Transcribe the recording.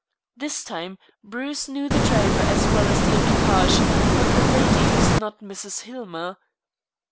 This time Bruce knew the driver as well as the equipage, but the lady was not Mrs. Hillmer.